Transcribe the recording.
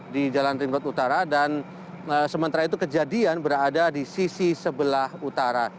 di jalan ring road utara dan sementara itu kejadian berada di sisi sebelah utara